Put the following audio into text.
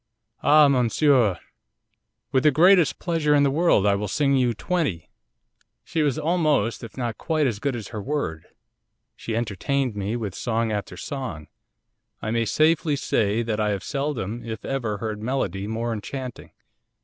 '"Ah, monsieur, with the greatest pleasure in the world I will sing you twenty." 'She was almost, if not quite, as good as her word. She entertained me with song after song. I may safely say that I have seldom if ever heard melody more enchanting.